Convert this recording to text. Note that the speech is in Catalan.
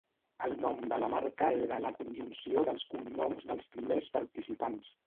El nom de la marca era la conjunció dels cognoms dels primers participants.